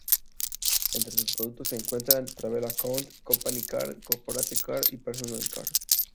Entre sus productos se encuentran Travel Account, Company Card, Corporate Card y Personal Card.